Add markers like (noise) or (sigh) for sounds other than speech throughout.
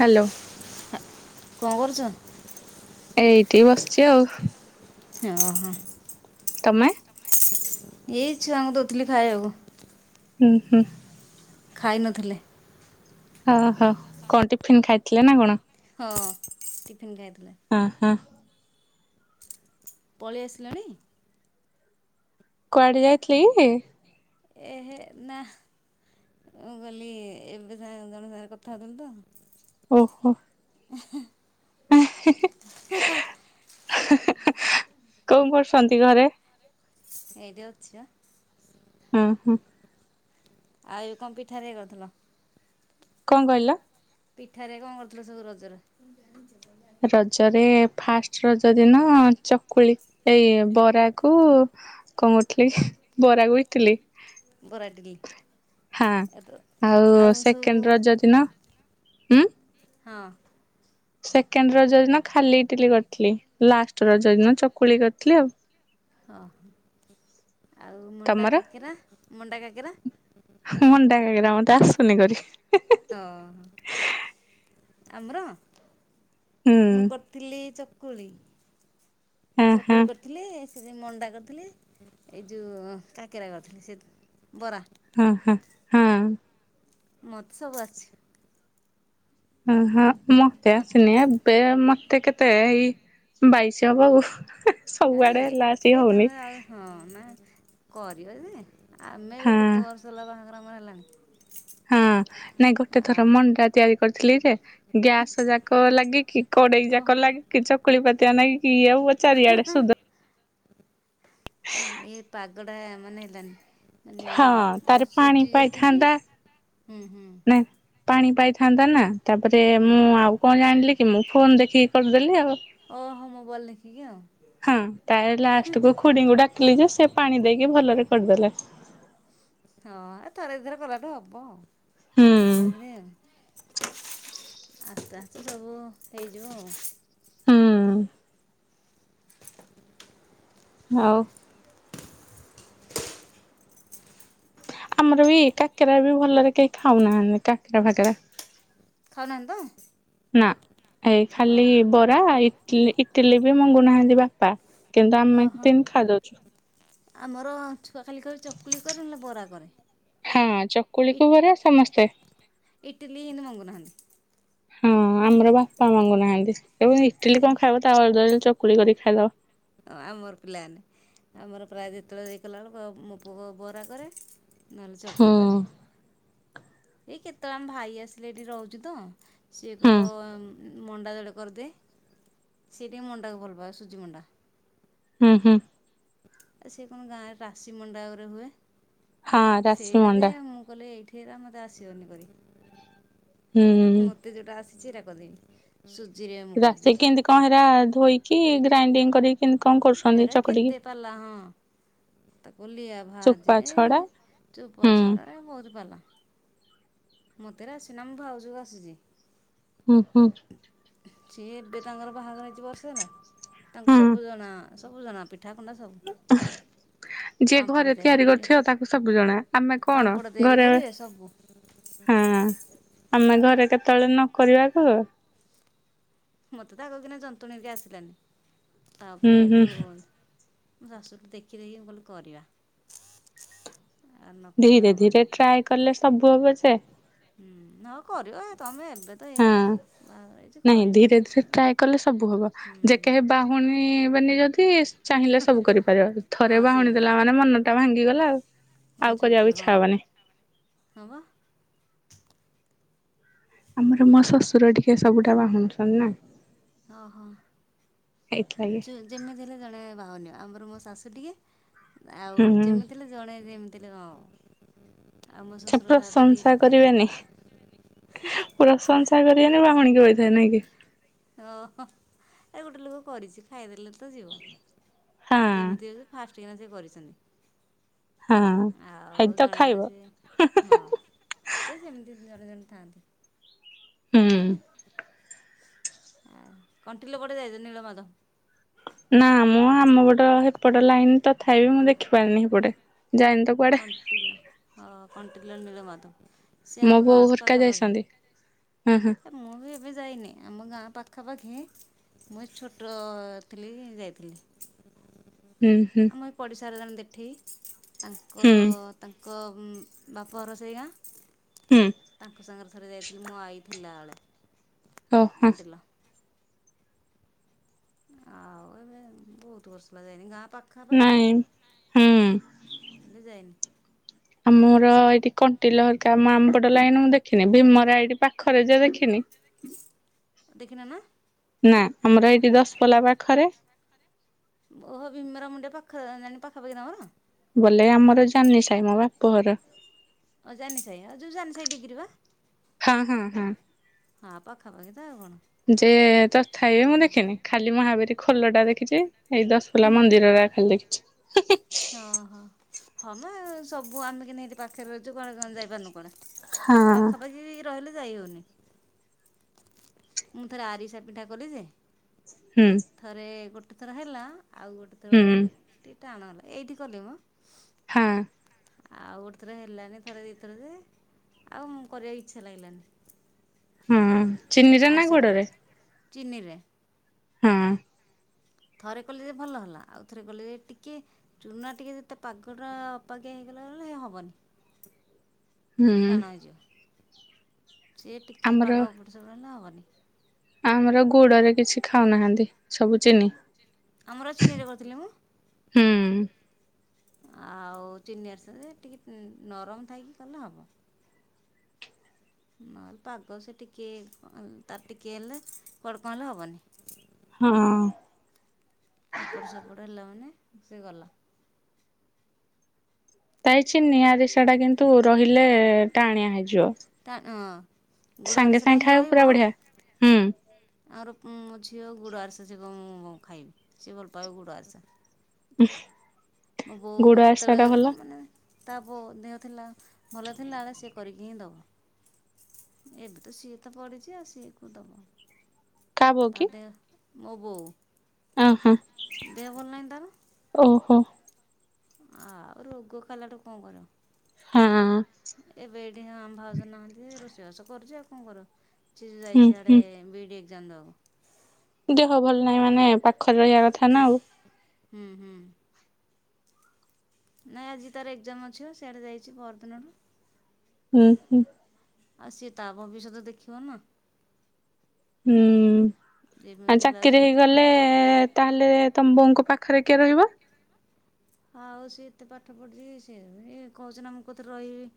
Hello. ହାଁ -କଣ କରୁଚ? ଏଇଠି ବସିଚି ଆଉ। ହଁ- ହଁ ତମେ? ଏଇ ଛୁଆଙ୍କୁ ଦଉଥିଲି ଖାଇବାକୁ। ହୁଁ -ହୁଁ। ଖାଇ ନଥିଲେ। ଓ ହ କଣ ଟିଫିନ୍ ଖାଇଥିଲେ ନା କଣ? ହଁ ଟିଫିନ୍ ଖାଇଥିଲା। ଓ -ହଁ। ପଳେଇ ଆସିଲାଣି? କୁଆଡେ ଯାଇଥିଲେ କି? ଏ ହେ- ନା। ଏଁ- କଲି ଏବେ ସାଙ୍ଗ ଜଣେ ସାଙ୍ଗରେ କଥା ହଉଥିଲି ତ। ଓହୋ। (inaudible) (inaudible) କଣ୍ କରୁଚନ୍ତି ଘରେ? ଏଇଠେ ଅଛି ବା। ହୁଁ -ହୁଁ। ଆଏ କଣ୍ ପିଠାରେ ଏ କରିଥିଲ? କଣ୍ କହିଲ? ପିଠାରେ କଣ୍ କରିଥିଲ ସବୁ ରଜରେ? ରଜରେ ଫାଷ୍ଟ୍ ରଜ ଦିନ ଚକୁଳି ଏଇ ବରା କୁ କଣ କରିଥିଲି କି ବରାକୁ ଇଟିଲି। ବରା, ଇଟିଲ୍ ହଁ ଏତ- ଆଉ ସେକେଣ୍ଡ ସବୁ- ରଜ ଦିନ ହଁ। ସେକେଣ୍ଡ୍ ରଜ ଦିନ ଖାଲି ଇଟିଲି କରିଥିଲି ଲାଷ୍ଟ ରଜ ଦିନ ଚକୁଳି କରିଥିଲି ଆଉ। ହଁ ଆଉ ମଣ୍ଡା ତମର କାକେରା- ମଣ୍ଡା କାକେରା? ମଣ୍ଡା କାକେରା ମତେ ଆସୁନି କରି। ଓ-ହ ଆମର ହୁଁ। ମୁଁ କରି ଥିଲି ଚକୁଳି। ହଁ ହଁ ଚକୁଳି କରି ଥିଲି ସେ ଯଉ ମଣ୍ଡା କରିଥିଲି ଏଇ ଯଉ କାକେରା କରିଥିଲି ସେ ବରା ହଁ -ହଁ -ହଁ। ମତେ ସବୁ ଆସିଚି। ଉଁ -ହଁ ମତେ ଆସିନି ଏବେ- ମତେ କେତ୍ ମତେ ଏଇ ବାଇଶି ହବ ଆଉ ହେ ସବୁଆଡେ ହେଲା ବସି କି ଏବେ ହଉନି। ତମେ ଆଉ ହଁ- ନା କରିବା ଯେ ଆମେ ହଁ କେତେ ବର୍ଷ ହେଲା ବାହାଘର ଆମର ହେଲାଣି ହଁ- ନାଇଁ ଗୋଟେ ଥର ଆଉ ମଣ୍ଡା ତିଆରି କରିଥିଲି ଯେ ଗ୍ୟାସ ଯାକ ଲାଗିକି କଡେଇ ଯାକ ଓହୋ ଲାଗି। କି ଚକଳି ପାତତି ନାଇକି ବ ଚାରିଆଡେ ସୁଧ ଆ ଏଇ ପାଗଡା ମାନେ ହେଲାନି ମାନେ ହଁ ତାର ଏ ପାଣି ସୁଜି ଯେତିକି ପାଇଥାନ୍ତା ହୁଁ ହୁଁ ପାଣି ପାଇଥାନ୍ତା ନା ତାପରେ ହୁଁ ମୁଁ ଆଉ କଣ ଜାଣିଲି କି ମୁଁ ଫୋନ ଦେଖିକି କରିଦେଲି ଆଉ, ଓହୋ ମୋବାଇଲ ଦେଖିକି ଆଉ, ହଁ ତା ଲାଷ୍ଟକୁ ଖୁଡିଙ୍କୁ ଡାକିଲି ଯେ ସେ ପାଣି ଦେଇକି ଭଲରେ କରିଦେଲେ। ହଁ ଥରେ ଦି ଥର କଲାଠୁ ହବ ଆଉ, ହୁଁ ଧୀରେ ଧୀରେ ଆଉ ଆରଟା ଏ ସବୁ ହେଇଯିବ ଆଉ, ହୁଁ। ହଉ। ଆମର ବି କାକେରା ବି ଭଲରେ କେହି ଖାଉନାହାନ୍ତି କାକେରା ଫାକେରା ଖାଉନାହାନ୍ତି ତ ନା ଏଇ ଅ ଖାଲି ବ ପୁରା ଇଟିଲ ଇଟିଲି ବି ମଙ୍ଗୁନାହାନ୍ତି ବାପା କିନ୍ତୁ ଆମେ ହଁ ହଁ ତିନ ଖାଇଦଉଛୁ ଆମର ଖାଲି କହିବେ ଚକୁଲି କର ନହେଲେ ବରା କରେ ହଁ ଇ ଚକୁଳିକୁ ବରା ସମସ୍ତେ ଇଟିଲି ଏମିତି ମଙ୍ଗୁନାହାନ୍ତି, ହଁ ଆମର ବାପା ମଙ୍ଗୁ ନାହାନ୍ତି ଏବଂ ଇଟିଲି ସେ କଣ ଖାଇବ ତା ବଦଳରେ ଚକୁଳି କରିକି ଖାଇଦବ। ଆମର ପିଲାମାନେ ଆମର ପ୍ରାୟ ଯେତେବେଳେ ଦେଇଗଲାବେଳକୁ ମୋ ପୁଅ ବରା କରେ, ନହେଲେ ହୁଁ ଚକୁଳି କରେ। ଏଇ କେତେବେଳେ ଆମେ ଭାଇ ଆସିଲେ ଏଠି ରହୁଛୁ ତ ସିଏ ହୁଁ କହି ମଣ୍ଡା ଯୋଡେ କରିଦିଏ ସେଟିକେ ମଣ୍ଡାକୁ ଭଲ ପାଏ ସୁଜି ମଣ୍ଡା। ହୁଁ ହୁଁ। ଆ ସେ କଣ ଗାଁରେ ରାଶୀ ମଣ୍ଡା ଗୁରେ ହୁଏ ହଁ ରାଶି ସେଇଟା ଯେ ମଣ୍ଡା ମୁଁ କହିଲି ଏଇଠି ହେରା ମୋତେ ଆସିବନି କରି। ହୁଁ ହୁଁଁ। ମତେ ଯେଉଟା ଆସିଛି ସେଇଟା କରିମି। ସୁଜିରେ ମୁଁ ରାଶି କରିଦିଏ କେମିତି କଣ ହେରା ଧୋଇକି ଗ୍ରାଇଣ୍ଡିଙ୍ଗ କରିକି କେମିତି କଣ କରୁଛନ୍ତି ଏରା ଚକଟିକି କେତେ ପାଲା ହଁ ତାକୁ ଲିଆ ଚୋପା ଭାଜେ ଛଡା ହୁଁ ଚୁପାଛଡା ବହୁତ ପାଲା ମତେ ଏରା ଆସିନା ମୁଁ ଭାଉଜକୁ ଆସିଛି। ହୁଁ ହୁଁ। ସିଏ ଏବେ ତାଙ୍କର ବାହାଘରହେଇଛି ନା ବର୍ଷେ ହେଲା ହଁ ତାଙ୍କୁ ସବୁ ଜଣା ସବୁ ଜଣା, ପିଠା କୁଣ୍ଡା ସବୁ ଯିଏ ଘରେ ପାମ୍ପଡ ତିଆରି କରିବି, କରିଥିବ ତାକୁ ସବୁ ଜଣା ଆମେ କଣ ପାମ୍ପଡ ତିଆରି ଘରେ କରେ ସବୁ, ହଁ। ଆମେ ଘରେ କେତେବେଳେ ନକରିବାକୁ ମତେ ତ ଆଗ କିନା ଯନ୍ତୁଣୀ ଦେଇ ଆସିଲାନି ହୁଁ ତାପରେ ହୁଁ ଏଇଠୁ ଶାଶୁଠୁ ଦେଖି ଦେଖି କହିଲି କରିବା। ଆଉ ନକଲେ ଧୀରେ ହେବନି ଧୀରେ ଟ୍ରାଏ କଲେ ସବୁ ହବ ଯେ, ହୁଁ ଅ କରିବ ତମେ ଏବେ ତ ଏ ହଁ ବାହାଘର ହେଇଛି। ନାଇଁ କରିବ ଧୀରେ ଧୀରେ ଶିଖିବ ଟ୍ରାଏ କଲେ ସବୁ ହବ ହୁଁ ଯେକେ କେହି ବହୁନିବେ ଯଦି, ଚାହିଁଲେ ସବୁ କରିପାରିବ। ହଁ ଥରେ ସେଇ ବାହୁନି ଦେଲା ମାନେ ମନ ଟା ଭାଙ୍ଗିଗଲା ଆଉ। ଆଉ ଅଞ୍ଚଳି କରିବାକୁ ଇଚ୍ଛା ଯିବ ହବନି ହଁ ହଁ ପା। ଆମର ମୋ ଶ୍ୱଶୁର ଟିକେ ସବୁଟା ବାହୁନୁଛନ୍ତି ନା, ହଁ ହଁ ଏଇଥିଲାଗି ଯେ ଯେମିତି ହେଲେ ଜଣେ ବାହୁନିବେ। ଆମର ମୋ ଶାଶୁଟିିକେ ଆଉ ହୁଁ ଯେମିତି ହେଲେ ଜଣେ ଯେମିତି ହେଲେ କଣ। ଆଉ ମୋ ସେ ଶ୍ୱଶୁର ସାତ ପ୍ରଶଂସା ଟିକେ ଖାଇଦେବେ। କରିବେନି ପ୍ରଶଂସା କରିବେନି ବାହୁଣିକି ବଇଥେବେ ନାଇଁ କି। ଓହୋ ଏ ଗୋଟେ ଲୋକ କରିଛି ଖାଇଦେଲେ ତ ଯିବ ହଁ ଯେମିତି ହେଉ ଫାଷ୍ଟ କିନା ସେ ହଁ କରିଛନ୍ତି ଆଉ ହେଇଟି ତ ଜଣେ ଖାଇବ ଜଣେ ସେ ହଁ ଯେ ସେମିତି ଜଣେ ଜଣେ ଥାଆନ୍ତି। ହୁଁ। ଆ କଣ୍ଟିଲ ପଟେ ଯାଇଛ ନୀଳମାଧବ? ନା ମୁଁ ଆମ ପଟ ହେପଟ ଲାଇନ ତଥାପି ମୁଁ ଦେଖିପାରିନି ସେପଟେ ଯାଇନି ତ କୁଆଡେ କଣ୍ଟିଲ ହଁ କଣ୍ଟିଲ ନୀଳମାଧବ ସିଏ ମୋ ଆମ ବୋଉ ଗାଁଠୁ ହରିକା ଯାଇଛନ୍ତି ହଁ ହଁ ପାଖାପାଖି। ମୁଁ ବି ଏବେ ଯାଇନି ଆମ ଗାଁ ପାଖାପାଖି ମୁଁ ଛୋଟ ଥିଲି ଯାଇଥିଲି। ହୁଁ ହୁଁ। ମୁ ଏଇ ପଡ଼ିସା ଘର ଜଣେ ଜେଠି ହୁଁ। ତାଙ୍କର ତାଙ୍କ ବାପ ଉ ଘର ସେଇ ଗାଁ। ହୁଁ। ତାଙ୍କ ସାଙ୍ଗରେ ଥରେ ଯାଇଥିଲି ମୋ ଆଇ ଥିଲା ବେଳେ। ଓହୋ। ଆ ଏବେ ବହୁତ ବର୍ଷହେଲା ଯାଇନି ଗାଁ ପାଖାପାଖି? ନାଇଁ ହୁଁ। ହୁଁ ହେଲେ ଯାଇନି। ଆମର ଏଇଠି କଣ୍ଟିଲ ହେରିକା ମୁ ଆମ ପଟ ଲାଇନ ମୁଁ ଦେଖିନି। ଭୀମରା ଏଇଠି ପାଖରେ ଯେ ଦେଖିନି। ଦେଖିନ ନା? ନା ଆମର ଏଇଠି ଦଶପଲା ପାଖରେ ଓହୋ ଭୀମର ମୁଣ୍ଡ ପାଖ ପାଖାପାଖି ତମର? ବଲେ ଆମର ଜାନି ସାଇ ମୋ ବାପଘର। ଓ ଜାନି ସାହି ଆ ଯୋଉ ଯାନି ସାହି ଡିଗ୍ରୀ ବା। ହଁ ହଁ ହଁ ହଁ ପାଖାପାଖି ତ ଆଉ କଣ। ଯେ ତଥାପି ମୁଁ ଦେଖିନି ଖାଲି ମହାବୀର ଖୋଲଟା ଦେଖିଛି ଏଇ ଦଶପଲା ମନ୍ଦିରରା ଖାଲି ଦେଖିଛି। ହଁ ହୋ ହଁ ମ ସବୁ ଆମେ କିନ୍ତି ହେଠି ପାଖରେ ରହିଛୁ କଣ କ ଯାଇପାରୁନୁ କୁଆଡେ। ସେ ହଁ। ପାଖାପାଖି ରହିଲେ ଯାଇ ହୋଉନି। ମୁଁ ଥରେ ଆରିସା ପିଠା କଲି ଯେ ହୁଁ। ଥରେ ଗୋଟେ ଥର ହେଲା ଆଉ ଗୋଟେ ଥର ହୁଁ ଟିକେ ଟାଣ ହେଲା ଏଇଠି କଲି ମୁଁ। ହଁ। ଆଉ ଗୋଟେ ଥର ହେଲାନି ଥରେ ଦିଇଥର ଯେ ଆଉ ମୁଁ କରିବାକୁ ଇଚ୍ଛା ଲାଗିଲାନି। ହୁଁ ଚିନିରେ ନା ଆରିସା ପିଠା ଗୁଡରେ? ଚିନିରେ। ହଁ। ଥରେ କଲିଯେ ଭଲ ହେଲା ଆଉଥରେ କଲିଯେ ଟିକେ ଚୁନା ଟିକେ ଯେତେ ପାଗଟା ଅପାଗେ ହେଇଗଲା ବଲେ ହ ହବନି। ହୁଁ ଟାଣ ହେଇଯିବ। ସିଏ ଟିକେ ଆମର ପାଗ ଏପଟ ସେପଟ ହେଲେ ଆଉ ହବନି। ଆମର ଗୁଡରେ କିଛି ଖାଉନାହାନ୍ତି ସବୁ ଚିନି। ଆମର ଚିନିରେ କରିଥିଲି ମୁଁ। ହୁଁ ଆଉ ଚିନି ଆରିସା ଯେ ଟିକେ ନରମ ଥାଇକି କଲେ ହବ। ନହେଲେ ପାଗ ସେ ଟିକେ ତାର ଟିକେ ହେଲେ କୁଆଡେ କଣ ହେଲେ ହବନି। ହଁ। ଏପଟ ସେପଟ ହେଲା ମାନେ ସେ ଗଲା। ତାଇଛି ନିଆଁଦିଶା ଟା କିନ୍ତୁ ରହିଲେ ଟାଣିଆ ହେଇଯିବ। ଟା ହଁ ଗୁଡ଼ ସାଙ୍ଗେ ଆରିସା ଟା ସାଙ୍ଗେ ହିଁ ଖାଇବ ରହିବ। ପୁରା ବଢିଆ। ହୁଁ ଆମର ମୋ ଝିଅ ଗୁଡ଼ ଆରସା ସିଏ କ ମୁଁ ଖାଇବି, ସିଏ ଭଲପାଇବ ଗୁଡ଼ ଆରିସା। ହ ମୋ ବୋଉ ଯେତେବେଳେ ମାନେ ତା ବୋଉ ଦେହ ଥିଲା ଭଲ ଥିଲାବେଳେ ସିଏ କରିକି ହିଁ ଦେବ। ଏବେ ତ ସିଏ ତ ପଡ଼ିଛି ଆଉ ସିଏ କୋଉ ଦବ। କା ବୋଉ ତା କି ଦେ, ମୋ ବୋଉ ଅହଁ ଦେହ ଭଲ ନାଇଁ ତାର। ଓହୋ। ଆଉ ରୋଗ ଖାଇଲାଠୁ କଣ କରିବ। ହଁ। ଏବେ ଏଇଠି ହଁ ଭାଉଜ ନାହାନ୍ତି, ରୋଷେଇ ବାସ କରୁଛି ଆଉ କଣ କରିବ। ସେ ଯୋଉ ଯାଇଛି ହୁଁ ହୁଁ। ସିଆଡେ ବି ଇ ଡ଼ି ଏକ୍ସାମ ଦବାକୁ। ଦେହ ଭଲ ନାହିଁ ମାନେ ପାଖରେ ରହିବା କଥା ନା ଆଉ। ହୁଁ ହୁଁ। ନାଇଁ ଆଜି ତାର ଏକ୍ଜାମ୍ ଅଛିିବା ସେଇଆଡ଼େ ଯାଇଛି ପରଦିନରୁ। ହୁଁ ହୁଁ। ଆଉ ସିଏ ତା ଭବିଷ୍ୟତ ଦେଖିବ ନା। ହୁଁ ଆଉ ଯେମିତି ହେଲା ଚାକିରି ସିଏ ହେଇଗଲେ ତା ହେଲେ ତମ ବୋଉଙ୍କ ପାଖରେ କିଏ ରହିବ? ହଁ ଆଉ ସିଏ ଏତେ ପାଠ ପଢ଼ିଛି, ସିଏ ବି କହୁଛି ନା ମୁଁ କୋଉ ଥିରେ ରହିବି।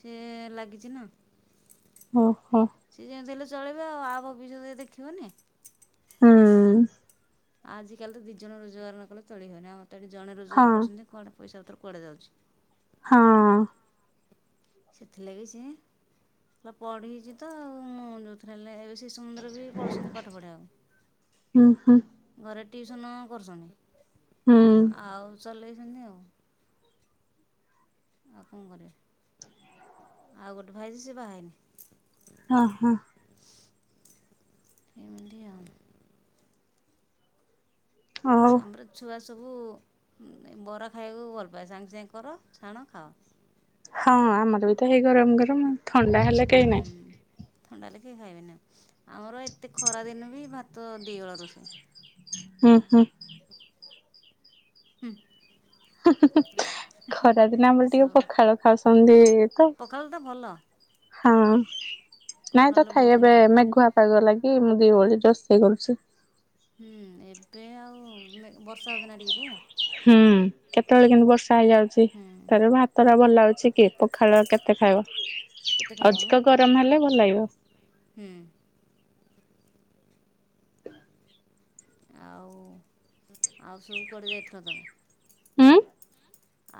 ସେ ଲାଗିଛି ନା। ଓ ହୋ। ସିଏ ଯେମିତି ହେଲେ ଚଳିବ ଆଉ, ଆ ଭବିଷ୍ୟତ ଇଏ ଦେଖିବନି। ହୁଁ। ଆଜିକାଲି ତ ଦୁଇ ଜଣ ରୋଜଗାର ନ କଲେ ଚଳି ହଏନି ଆମର ତ ଏଠି ଜଣ ହଁ ରୋଜଗାର କରୁଛନ୍ତି କୁଆଡେ ପଇସା ପତ୍ର କୁଆଡ଼େ ଯାଉଛି। ହଁ। ସେଥିଲାଗି ସିଏ, ହେଲା ପଢୀଛି ତ ଆ ମୁଁ ଯୋଉ ଥରେ ହେଲେ ଏବେ ଶିଶୁମନ୍ଦିର ବି ପଳଉଛନ୍ତି ପାଠ ହୁଁ ହୁଁ ପଢେଇବାକୁ। ଘରେ ଟିଉସନ୍ କରୁଛନ୍ତି, ହୁଁ। ଆଉ ଚଲେଇଛନ୍ତି ଆଉ। ଆଉ କଣ କରିବା, ଆଉ ଗୋଟେ ଭାଇ ଯେ ସେ ବାହା ହେଇନି। ହଁ ହଁ। ଏମିତି ଆଉ। ହଉ ଆମର ଛୁଆ ସବୁ ବରା ଖାଇବାକୁ ଭଲ ପାଏ, ସାଙ୍ଗେ ସାଙ୍ଗେ କର ଛାଣ ଖାଅ। ହଁ ଆମର ବି ତ ହେଇ ଗରମ ଗରମ ଆଉ ଥଣ୍ଡା ହେଲେ କେହି ହୁଁ ନାହିଁ। ଥଣ୍ଡା ହେଲେ କେହିଁ ଖାଇବେନି, ଆମର ଏତେ ଖରା ଦିନ ବି ଭା ତ ଦି ଓଳା ରୋଷେଇ। ହୁଁ ହୁଁ। ହୁଁ। ଖରା ଦିନେ ଆମର ଟିକେ ସ ପଖାଳ ଖାଉଛନ୍ତି ତ। ପଖାଳ ତ ଭଲ ହଁ ନାଇଁ ତ ପଖାଳଟା ଖାଇବା ବହୁତ ଏବେ ଭଲ। ମେଘୁଆ ପାଗ ଲାଗି ମୁଁ ଦି ଓଳି ରୋଷେଇ କରୁଛି। ହୁଁ ଏବେ ଆଉ ବର୍ଷା ହଉଚି ନା ଟିକେ ଟିକେ ହୁଁ କେତେବେଳେ କେମିତି ବର୍ଷା ହେଇଯାଉଛି। ଟିକେ ହୁଁ। ତାର ଭାତ ଟା ଭଲ ଅଛି କି ପଖାଳ କେତେ ଖାଇବ? କେତେ ଖାଇବ ମ ଅଧିକ ଗରମ ହେଲେ ଭଲ ଲାଗିବ। ହୁଁ। ଆଉ ଆଉ ସବୁ କୁଆଡେ ଯାଇଥିଲ ତମେ? ହୁଁ?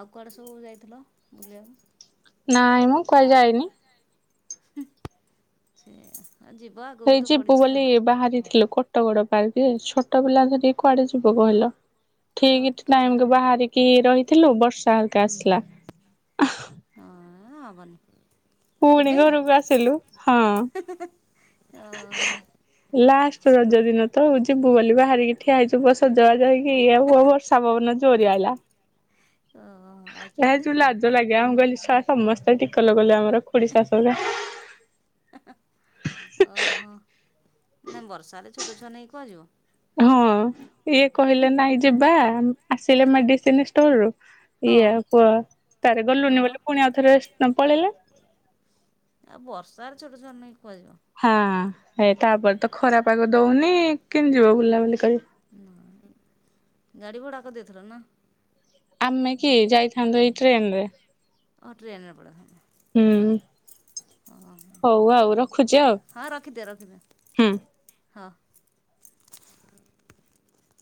ଆଉ କୁଆଡେ ସବୁ ଯାଇଥିଲ? ବୁଲିବାକୁ। ନାଇଁ ମୁଁ କୁଆଯାଇନି। (inaudible) ଯିବ ଆଗକୁ ସେଇ ତ ଯିବୁ ପଡ଼ିଛି ବୋଲି ଆଉ ବାହାରିଥିଲୁ କୋଟଗଡ ପାର୍କ ଯେ, ଛୋଟ ପିଲା ଧରିକି କୁଆଡେ ଯିବୁ କହିଲ? ଠିକ ଛୋଟ ଟାଇମ ଛୁଆରେ ବାହାରିକି ରହିଥିଲୁ ବର୍ଷା ହଲକା ଆସିଲା। ହଁ ହବନି। ପୁଣି ଏବେ ଘରୁ ବା ଆସଲୁ ହଁ। ଓହୋ (unintelligible) ଲାଷ୍ଟ ରଜ ଦିନ ତଉ ଯିବୁ ବୋଲି ବାହାରିକି ଠିଆ ହେଇଯିବୁ ସଜବାଜେଇକି ଇଆ ବର୍ଷା ପବନ ଯୋରିଆଇଲା। ଓ ହ। ଏହା ଯୋଉ ଲାଜ ଲାଗେ ଆମ ଗହଲି ଛୁଆ ସମସ୍ତେ ଟିକ ଲଗଲେ ଆମର ଖୋଡି ଶାଷୁରା ଓହୋ ନାାଇ ବର୍ଷାରେ ଛୋଟ ଛୁଆ ନେଇ କୁହାଯିବ? ହଁ ଇଏ କହିଲେ ନାଇଁ ଯିବା, ଆସିଲେ ମେଡିସିନ ଷ୍ଟୋର ରୁ ହଁ ଇଏ ପୁଅ ତରେ ହଁ ମ ଗଲୁନି ବୋଇ ପୁଣି ଆଉ ଥରେ ପଳେଇଲେ ଆଉ ବର୍ଷାରେ ଛୋଟ ଛୋଟ ନେଇକି କୁଆଜିବ। ହଁ ଏ ତାପରେ ତ ଖରା ପାଗ ଦଉନି କିଣି ଯିବ ବୁଲାବୁଲି (unintelligible) ନା ଗାଡ଼ି ଭଡ଼ାକ ଦେଇଥିଲ ନା? ଆମେ କି ଯାଇଥାନ୍ତୁ ଏଇ ଟ୍ରେନ ରେ। ଓ ଟ୍ରେନରେ ହୁଁ (unintelligible) ହଁ ହଉ ଆଉ ରଖୁଛି ଆଉ ହଁ ରଖିଦ ରଖିଦି ହୁଁ। ହଁ।